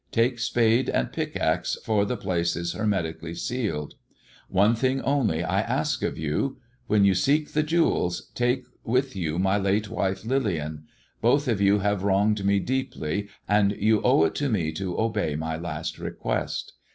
Take spade and pickaxe, for the place is hemletically sealed. One thing only I ask of you. When you seek the jewels, take with you my late wife Lillian. Both of you have wronged me deeply, and you owe it to me to obey my last request.